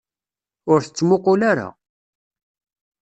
Ur t-ttmuqqul ara!